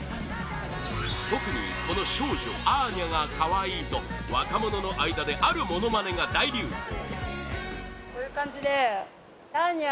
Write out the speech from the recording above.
特に、この少女アーニャが可愛いと若者の間であるものまねが大流行